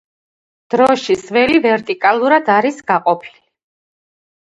დროშის ველი ვერტიკალურად არის გაყოფილი.